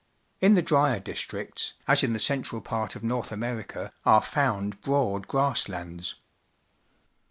In the drier districts, as in the central part of North America, are found broad grass lands.